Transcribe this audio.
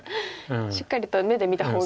しっかりと目で見た方が。